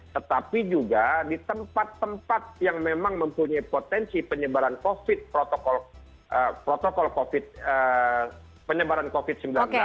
tetapi juga di tempat tempat yang memang mempunyai potensi penyebaran covid sembilan belas